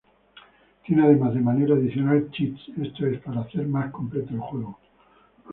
Tiene además de manera adicional Cheats, esto es para hacer más completo el juego.